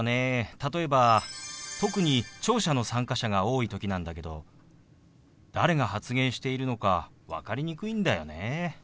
例えば特に聴者の参加者が多い時なんだけど誰が発言しているのか分かりにくいんだよね。